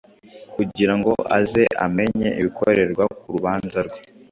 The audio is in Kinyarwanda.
kugira ngo aze amenye ibikorerwa ku rubanza rwe